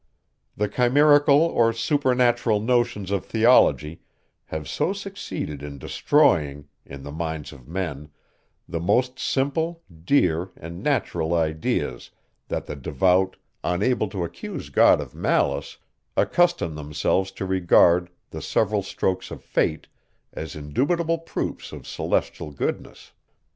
The chimerical or supernatural notions of theology have so succeeded in destroying, in the minds of men, the most simple, dear, and natural ideas, that the devout, unable to accuse God of malice, accustom themselves to regard the several strokes of fate as indubitable proofs of celestial goodness.